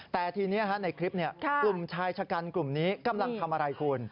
แต่ทีนี้ในคลิปกลุ่มชายชะกันกลุ่มนี้กำลังทำอะไรคุณ